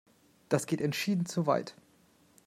Das geht entschieden zu weit!